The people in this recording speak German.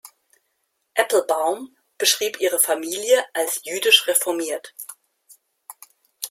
Applebaum beschrieb ihre Familie als jüdisch-reformiert.